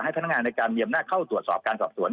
ให้พนักงานในการเงียบหน้าเข้าตรวจสอบการตรวจส่วน